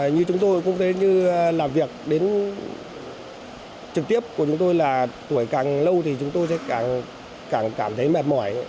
như chúng tôi cũng thấy như làm việc đến trực tiếp của chúng tôi là tuổi càng lâu thì chúng tôi sẽ cảm thấy mệt mỏi